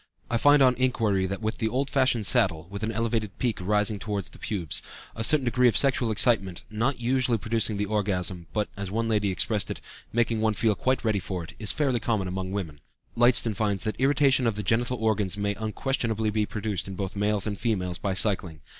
I find on inquiry that with the old fashioned saddle, with an elevated peak rising toward the pubes, a certain degree of sexual excitement, not usually producing the orgasm (but, as one lady expressed it, making one feel quite ready for it), is fairly common among women. Lydston finds that irritation of the genital organs may unquestionably be produced in both males and females by cycling.